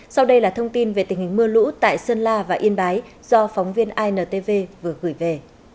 sau đây là thông tin về tình hình mưa lũ tại sơn la và yên bái do phóng viên intv vừa gửi về